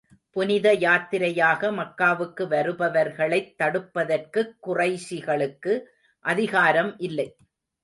புனித யாத்திரையாக மக்காவுக்கு வருபவர்களைத் தடுப்பதற்குக் குறைஷிகளுக்கு அதிகாரம் இல்லை.